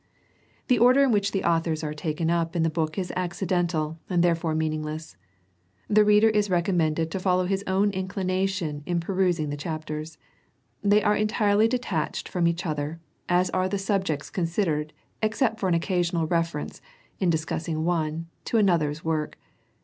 The order in which authors are taken up in the book is accidental and therefore meaningless. The reader is recommended to follow his own inclination in perusing the chapters. They are entirely detached from each other, as are the subjects considered except for an occasional reference, in discussing one, to an other's work.